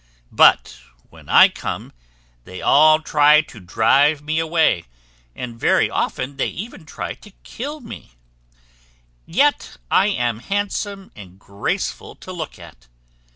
But when I come, they all try to drive me away, and very often they even try to kill me; and yet I am handsome and graceful to look at.